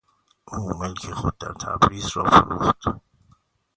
او ملک خود در تبریز را فروخت.